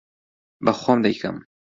بە خۆم دەیکەم.